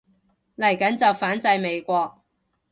嚟緊就反制美國